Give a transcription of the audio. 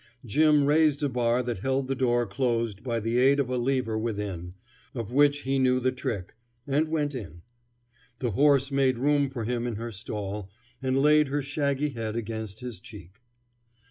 Jim raised a bar that held the door closed by the aid of a lever within, of which he knew the trick, and went in. The horse made room for him in her stall, and laid her shaggy head against his cheek.